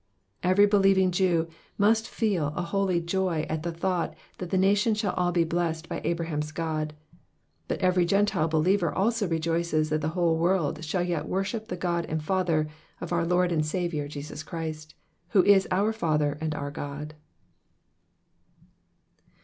Every believing Jew must feel a holy joy at the thought that the nations shall all be blessed by Abraham's God ; but every Gentile believer also rejoices that the whole world shall yet worship the God and Father of our Lord and Saviour Jesus Christ, who is our Father and our God.